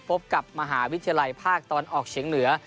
พบกับมหาวิทยาลัยภาคตะวันออกเฉียงเหนือ